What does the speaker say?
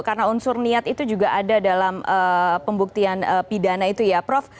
karena unsur niat itu juga ada dalam pembuktian pidana itu ya prof